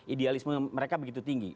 idealisme mereka begitu tinggi